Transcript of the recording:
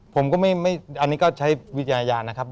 ผมก็ไม่อันนี้ก็ใช้วิจารณญาณนะครับ